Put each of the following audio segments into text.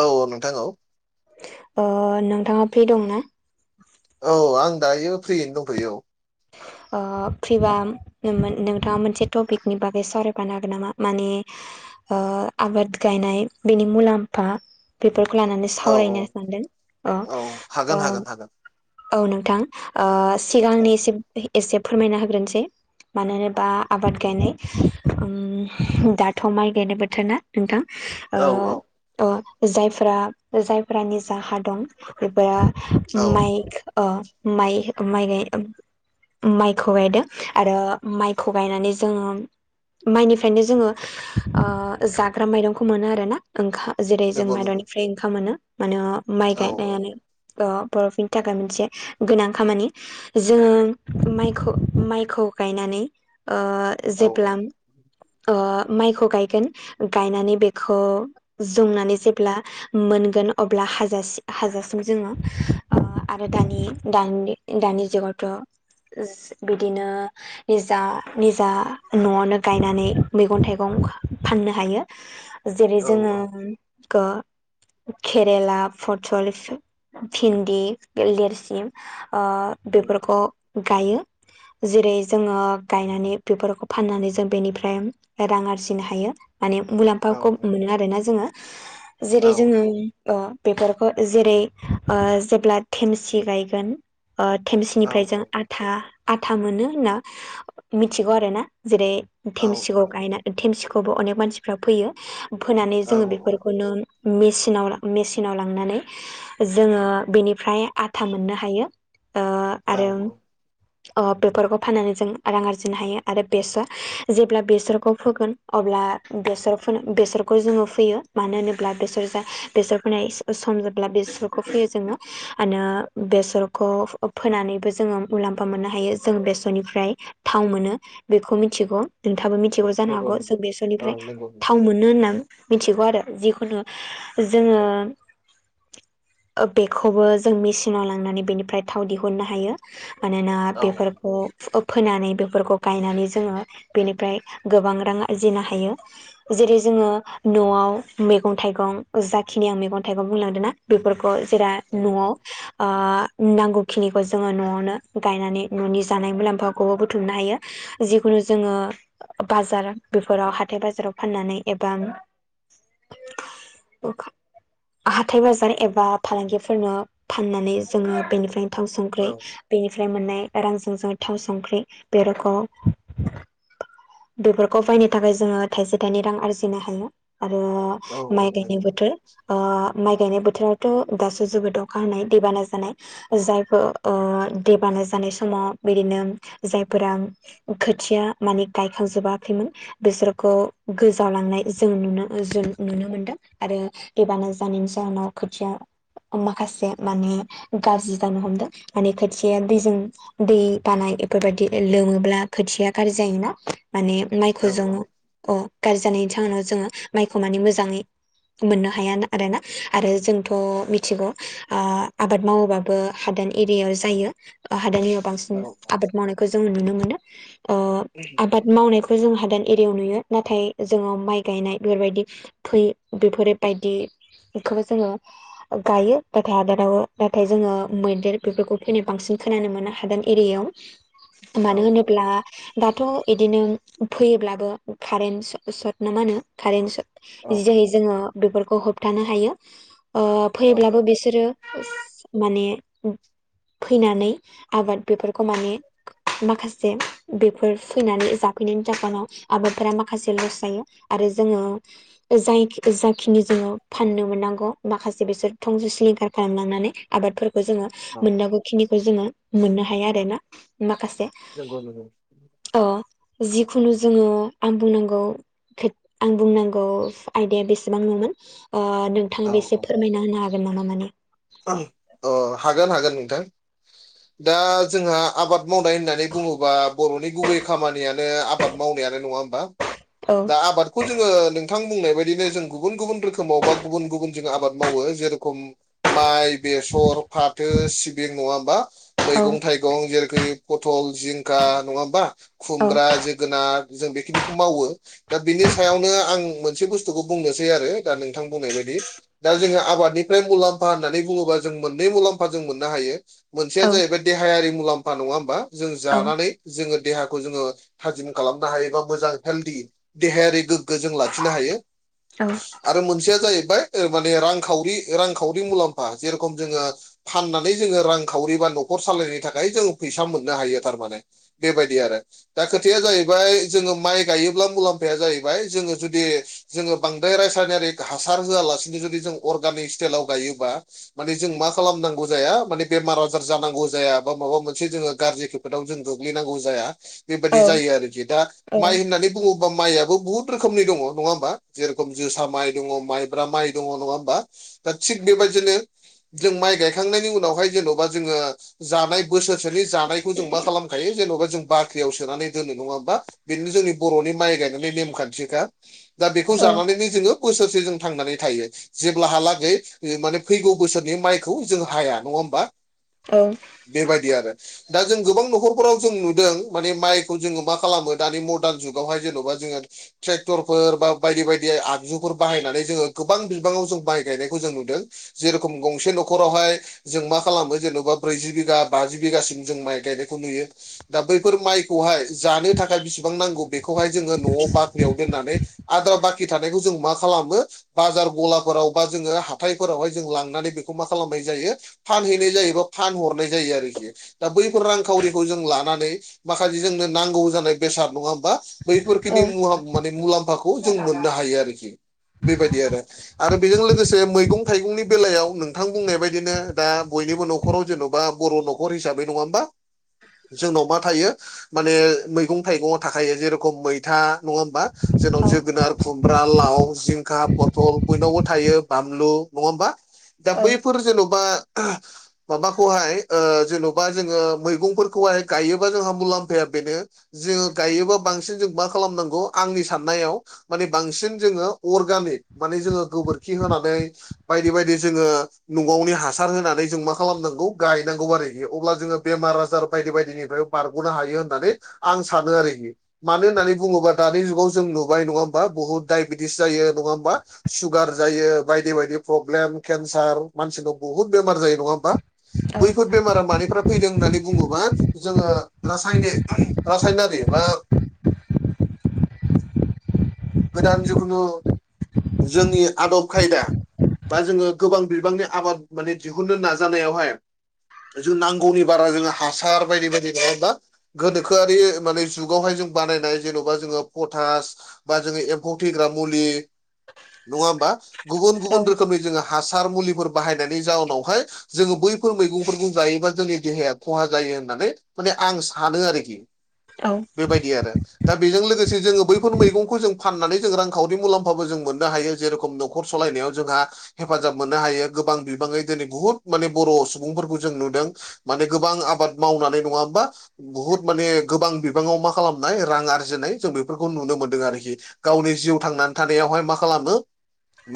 औ नोंथां औ ओ नोंथाङा फ्रि दंना औ आं दायो फ्रियैनो दंथ'यो औ ओ फ्रिबा नोमोन नोंथाङा मोनसे टपिकनि बागै सावरायफानो हागोन नामा माने ओ आबाद गायनाय बेनि मुलाम्फा बेफोरखौ लानानै औ सावरायनो औ हागोन सानदों हागोन हागोन औ नोंथां ओ सिगांनि एसे एसे फोरमायना होग्रोनोसै मानो होनोबा आबाद गायनाय ओम दाथ' माइ गायनाय बोथोरा नोंथां औ औ ओ जायफोरा जायफोरा निजा हा दं बे औ माइक ओ माइ माइ माइखौ गायदों आरो माइखौ गायनानै जोङो माइनिफ्रायनो जोङो ओ जाग्रा माइरंखौ मोनो आरो ना ओं जेरै जों नंगौ नंगौ माइरनिफ्राय ओंखाम मोनो माने माइ औ औ गायनायानो बर'फोरनि थाखाय थाखाय मोनसे गोनां खामानि जोङो माइखौ माइखौ गायनानै ओ औ जेब्ला माइखौ गायगोन गायनानै बेखौ जंनानै जेब्ला मोनगोन अब्ला हाजासे हाजासिम जोङो ओ आरो दानि दानि दानि जुगावथ' बिदिनो निजा निजा न'आवनो गायनानै मैगं थाइगं फाननो हायो जेरै औ जोङो औ केरेला पटल भिन्दि लेरसि ओ बेफोरखौ गायो जेरै जोङो गायनानै बेफोरखौ फाननानै जों बेनिफ्राय रां आरजिनो हायो माने औ मुलाम्फाखौ मोनो आरोना जोङो औ जेरै जोङो बेफोरखौ जेरै ओ जेब्ला थेमसि गायगोन थेमसिनिफ्राय जों आथा आथा मोनो होनना मिथिगौ आरो ना जेरै थेमसिखौ गायना थेमसिखौबो अनेक मानसिफ्रा फोयो फोनानै औ जोङो औ बेफोरखौनो न मेसिनाव लांनानै जोङो बेनि फ्राय आथा मोननो हायो ओ आरो अ बेफोरखौ फाननानै जों रां आरजिनो हायो आरो बेसर जेब्ला बेसरखौ फोगोन अब्ला बेसर फोन बेसरखौ जोङो फोयो मानो होनोब्ला बेसर जा बेसर फोनाय सम जोबब्ला बे सरखौ फोयो जोङो आरो बेसरखौ फोनानैबो जोङो मुलाम्फा मोननो हायो जों बेसरनिफ्राय थाव मोनो बेखौ मिथिगौ नोंथाङाबो मिथिगौ जानो नंगौ हागौ नंगौ जों औ बेसरनिफ्राय नंगौ थाव औ मोनो होननानै मिथिगौ आरो जिखुनु जोङो ओ बेखौबो जों मेसिनाव लांनानै बेनिफ्राय थाव दिहुननो हायो मानोना औ बेफोरखौ फोनानै बेफोरखौ गायनानै जोङो बेनिफ्राय गोबां रां आरजिनो हायो जेरै जोङो न'आव मैगं थाइगं जाखिनि आं मैगं थाइगं बुंलांदों ना बेफोरखौ जेरा न'आव ओ नांगौखिनिखौ जोङो न'आवनो गायनानै न'नि जानाय मुलाम्फाखौबो बुथुमनो हायो जिखुनु जोङो बाजार बेफोराव हाथाय बाजाराव फाननानै एबा [unintelligible] हथाय बाजार एबा फालांगिफोरनो फाननानै जोङो बेनिफ्रायनो थाव संख्रि औ बेनिफ्राय मोननाय रांजों जोङो थाव संख्रि बे [unintelligible] बेफोरखौ बायनो थाखाय जोङो थाइसे थाइनै रां आरजिनो हायो आरो। माइ नंगौ औ गायनाय बोथोर ओ माइ गायनाय बोथोराव। थ' दासो जोबोद अखा हानाय दैबाना जानाय। जायफोर ओ दैबाना जानाय समाव बिदिनो जायफोरा खोथिया माने गायखांजोबाखैमोन बिसोरखौ गोजावलांनाय जों नुनो जों नुनो मोनदों आरो। दैबाना जानायनि जाहोनाव खोथिया माखासे माने गाज्रि जानो हमदों माने खोथिया दैजों दै बानाय बेफोरबायदि लोमोब्ला खोथिया गाज्रि जायोना माने औ माइखौ जों अ गाज्रि जानायनि जाहोनाव जोङो माइखौ मानि मोजाङै मोननो हाया आरो ना आरो जोंथ' मिथिगौ आबाद मावोबाबो हादान एरियायाव जायो हादोरनिाव बांसिन आबाद मावनायखौ जोङो नुनो मोनो [inaudible] आबाद मावनायखौ जों हादान एरियायाव नुयो नाथाय जोङो माइ गायनाय बेफोरबायदि। फै बेफोर बायदि बेखौबो जोङो गायो नाथाय हादोरावो नाथाय जोङो मैदेर बेफोरखौ फैनाय बांसिन खोनानो मोनो हादा एरियायाव औ मानो होनोब्ला दाथ' बिदिनो फैयोब्लाबो कारेन्ट सट ना मा होनो कारेन्ट सट जि जहै जोङो बेफोरखौ होबथानो हायो फैब्लाबो बिसोरो माने फैनानै आबाद बेफोरखौ माने माखासे बेफोर फैनानै जाफैनायनि जाहोनाव आबादफोरा माखासे लस जायो आरो जोङो। जाय जाखिनि जोङो फाननो मोननांगौ माखासे बिसोर थंजों सिलिंखार खालामलांनानै। आबादफोरखौ जोङो मोननांगौखिनिखौ जोङो मोननो हाया आरोना माखासे नंगौ नंगौ औ जिखुनु जोङो आं बुंनांगौ आं बुंनांगौ आयदाया बेसेबांनोमोन औ नोंथाङाब बे औ एसे फोरमायना होनो हागोन नामा माने अ हागोन हागोन नोंथां दा जोंहा आबाद आबाद मावनाय होननानै बुङोब्ला बर'नि गुबै खामानियानो आबाद मावनायानो नङा होमबा औ दा आबादखौ जोङो नोंथां बुंनाय बायदिनो जों गुबुन गुबुन रोखोमाव बा। गुबुन गुबुन जों आबाद मावो जुखाम माइ बेसर फाथो सिबिं नङा हा औ मैगं थाइगं जेरैखि पथल जिंखा नङा होमबा औ खुमब्रा जोगोनार जों बेखिनिखौ मावो दा बिनि सायावनो आं मोनसे बुस्थुखौ बुंनोसै आरो दा नोंथां बुंनाय बायदि दा जोङो आबादनिफ्राय मुलाम्फा होन्नानै बुङोबा जों मोननै मुलाम्फा जों मोननो हायो। मोनसेया औ जाहैबाय देहायारि मुलाम्फा नङा होमबा जों औ जानानै जोङो देहाखौ जोङो थाजिम खालामनो हायोबा मोजां हेल्दि देहायारि गोग्गो खो जों लाखिनो हायो आरो मोनसे जाहैबाय माने रांखावरि रांखावरि मुलाम्फा जेरेखम जोङो फाननानै जोङो रांखावरि बा न'खर सालायनो थाखाय जों फैसा मोननो हायो थारमाने बेबायदि आरो दा खोथाया जाहैबाय जोङो माइ गायोब्ला मुलाम्फाया जाहैबाय जोङो जुदि जोङो बांद्राय रासायनारिक हासार होआलासिनो जुदि जों अर्गानिक स्टाइलाव गायोबा माने जों मा खालामनांगौ जाया माने बेमार आजार जानांगौ जाया बा माबा मोनसे जोङो गाज्रिखौ आव जों गोग्लैनांगौ जाया औ बेबादि जायो आरोखि दा औ माइ होननानै बुङोबा मायाबो बुहुद रोखोमनि दङा होमा जेरेखम जोसा माइ दङ माइब्रा माइ दङ नङा होमबा दा थिग बेबायदिनो जों माइ गायखांनायनि उनावहाय जेन'बा जोङो जानाय बोसोरसोनि जानायखौ जों मा खालामखायो जेन'बा जों बाख्रियाव सोनानै दोनो नङा होमा बेदिनो जोंनि बर'नि माइ गायनानै नेमखान्थिखा दा बेखौ जानानैनो जोङो बोसोरसे जों थांनानै थायो जेब्लाहालागै माने फैगौ बोसोरनि माइखौ जों हाया नङा होमबा औ बे बायदि आरो दा जों गोबां न'खरफोराव जों नुदों माने माइखौ जोङो मा खालामो दानि मदार्न जुगावहाय जेन'बा जोङो ट्रेक्टरफोर बा बायदि बायदि आगजुफोर बाहायनानै जोङो गोबां बिबाङाव जों माइ गायनायखौ जों नुदों जे रखम गंसे न'खरावहाय जों मा खालामो जेन'बा ब्रैजि बिघा बाजि बिघासिम जों माइ गायनायखौ नुयो। दा बैफोर माइखौहाय जानो थाखाय बिसेबां नांगौ बेखौहाय जोङो न'आव बाख्रियाव दोननानै आद्रा बाखि थानायखौ जों मा खालामो बाजार गलाफोराव बा जोङो हाथायफोरावहाय जों लांनानै बेखौ मा खालामनाय जायो फानहैनाय जायोबा फानहरनाय जायो आरोखि। दा बैफोर रांखावरिखौ जों लानानै माखासे जोंनो नांगौ जानाय बेसाद नङा होमबा बैफोरखिनि मुलाम माने मुलाम्फाखौ जों मोननो हायो आरोखि बेबायदि आरो। आरो बेजों लोगोसे मैगं थाइगंनि बेलायाव नोंथां बुंनाय बायदिनो दा बयनिबो न'खराव जेन'बा बर' न'खर हिसाबै नङा होमबा जोंनाव मा थायो माने मैगं थाइगङाव थाखायो जे रखम मैथा नङा होमबा जोंनाव जोगोनार खुमब्रा लाव जिंखा पथल बयनावबो थायो बानलु नङा होमबा दा औ बैफोर जेन'बा आ माबाखौहाय ओ जेन'बा जोङो मैगंफोरखौहाय गायोबा जोंहा मुलाम्फाया बेनो जोङो गायोबा बांसिन जों मा खालामनांगौ आंनि साननायाव माने बांसिन जोङो अरगानिक माने जोङो गोबोरखि होनानै बायदि बायदि जोङो न'आवनि हासार होनानै जों मा खालामनांगौ गायनांगौ आरोखि अब्ला जोङो बेमार आजार बायदि बायदिनिफ्राय बारग'नो हायो होननानै आं सानो आरोखि मानो होननानै बुङोब्ला दानि जुगाव जों नुबाय नङा होमबा बहुत दायबेटिस जायो नङा होमबा सुगार जायो बायदि बायदि प्रब्लेम केन्सार मानसिनाव बुहुत बेमार जायो नङा होमबा बैफोर बेमारा मानिफ्राय फैदों होननानै बुङोबा जोङो रासायनिक रासायनारि बा [inaudible] गोदान जिखुनु जोंनि आदब खायदा बा जोङो गोबां बिबांनि आबाद माने दिहुननो नाजानायावहाय जों नांगौनि बारा जोङो हासार बायदि बायदि नङा होमबा गोनोखोआरि माने जुगावहाय जों बानायनाय जेन'बा जोङो पटास बा जोङो एम्फौ फोथैग्रा मुलि नङा होमबा गुबुन औ गुबुन रोखोमनि जोङो हासार मुलिफोर बाहायनायनि जाउनावहाय जोङो बैफोर मैगंफोरखौ जायोबा जोंनि देहाया खहा जायो होननानै माने आं सानो आरोखि औ बेबायदि आरो दा बेजों लोगोसे जोङो बैफोर मैगंखौ जों फाननानै जों रांखावरि मुलाम्फाबो जों मोननो हायो जे रखम न'खर सालायनायाव जोंहा हेफाजाब मोननो हायो गोबां बिबाङै दिनै बुहुद माने बर' सुबुंफोरखौ जों नुदों माने गोबां आबाद मावनानै नङा होमबा बुहुद माने गोबां बिबाङाव मा खालामनाय रां आरजिनाय जों बेफोरखौ नुनो मोनदों आरोखि गावनि जिउ थांनानै थानायावहाय मा खालामो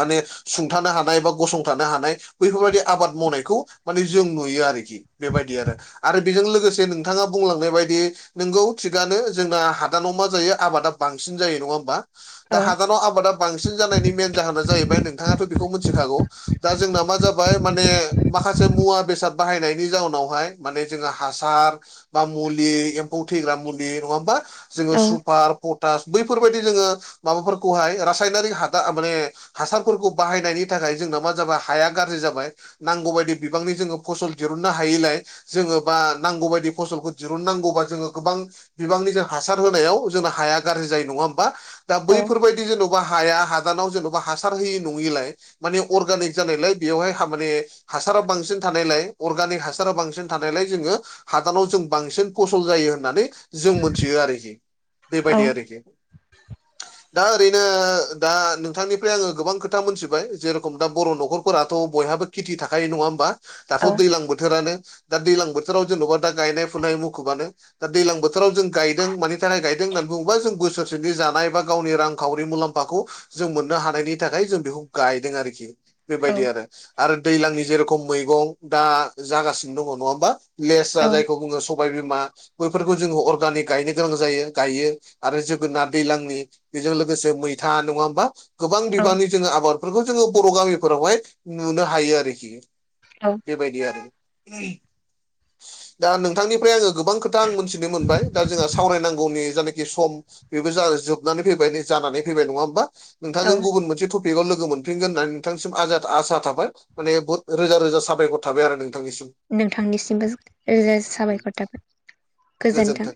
माने सुंथानो हानाय बा गसंथानो हानाय बैफोरबायदि आबाद मावनायखौ माने जों नुयो आरोखि। बेबायदि आरो आरो बेजों लोगोसे नोंथाङा बुंलांनाय बायदि नोंगौ थिगानो जोंना हादानाव मा जायो आबादा बांसिन जायो नङा होमबा दा हादानाव आबादा बांसिन जानायनि मेन जाहोना जाहैबाय नोंथाङाथ' बेखौ मिथिखागौ दा जोंना मा जाबाय माने माखासे मुवा बेसाद बाहायनायनि जाउनावहाय माने जोंहा हासार बा मुलि एम्फौ थैग्रा मुलि नङा होमबा जोङो सुपार पटास बैफोरबायदि जोङो माबाफोरखौहाय रासायनारिक हासार माने हासारफोरखौ बाहायनायनि थाखाय जोंना मा जाबाय हाया गाज्रि जाबाय। नांगौबायदि बिबांनि जोङो फसल दिहुननो हायिलाय जोङो बा नांगौ बायदि फसलखौ दिहुननांगौबा जोङो गोबां बिबांनि जों हासार होनायाव जोंना हाया गाज्रि जायो नङा होमबा दा बैफोरबायदि जेन'बा हाया हादानाव जेन'बा हासार होयि नङिलाय माने अरगेनिक जानायलाय बेवहाय हा माने हासारा बांसिन थानायलाय अरगेनिक हासारा बांसिन थानायलाय जोङो हादानाव जों बांसिन फसल जायो होननानै जों मोनथियो आरोखि बेबायदि आरोखि दा ओरैनो दा नोंथांनिफ्राय आङो गोबां खोथा मोनथिबाय जेरेखम दा बर' न'खर फोराथ' बयहाबो खेथि थाखायो नङा होमबा? दाथ' दैजलां बोथोरानो दा दैज्लां बोथोराव जेन'बा दा गायनाय फुनाय मुखुबानो दा दैज्लां बोथोराव जों गायदों मानि थाखाय गायदों होननानै बुङोबा जों बोसोरसेनि जानाय बा गावनि रांखावरि मुलाम्फाखौ जों मोननो हानायनि थाखाय जों बेखौ गायदों आरोखि बेबायदि आरो आरो दैलांनि जेरखम मैगं दा जागासिनो दङ नङा होमबा? लेस्रा औ जायखौ बुङो स सबाय बिमा बैफोरखौ जोङो अर्गानिक गायनो गोनां जायो गायो आरो जोगोनार दैलांनि बेजों लोगोसे मैथा नङा होमबा गोबां बिबांनि जोङो आबादफोरखौ जोङो बर' गामिफोरावहाय नुनो हायो आरोखि औ बेबायदि आरो दा नोंथांनिफ्राय आङो गोबां खोथा आं मोनथिनो मोनबाय दा जोंहा सावरायनांगौनि जायनाखि सम बेबो जोबनानै फैबाय जानानै फैबाय नङा होमबा नोंथांजों औ गुबुन मोनसे टफिक बेखौ लोगो मोनफिनगोन होननानै नोंथांसिम आसा थाबाय। माने बुहुत रोजा रोजा साबायखर थाबाय आरो नोंथांनिसिम। नोंथांनिसिमबो साबायखर थाबाय गोजोन्थों।